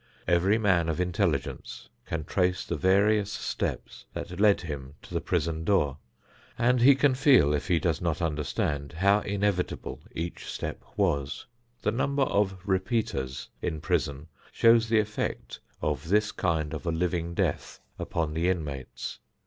Every man of intelligence can trace the various steps that led him to the prison door, and he can feel, if he does not understand, how inevitable each step was. The number of "repeaters" in prison shows the effect of this kind of a living death upon the inmates.